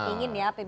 ingin ya pbb